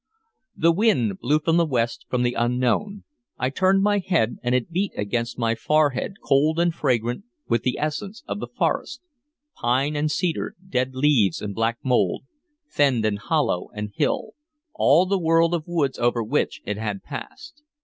The wind blew from the west, from the unknown. I turned my head, and it beat against my forehead, cold and fragrant with the essence of the forest, pine and cedar, dead leaves and black mould, fen and hollow and hill, all the world of woods over which it had passed.